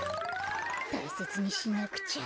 たいせつにしなくちゃ。